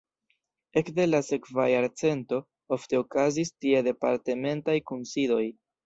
Ekde la sekva jarcento ofte okazis tie departementaj kunsidoj.